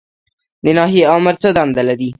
د ناحیې آمر څه دنده لري؟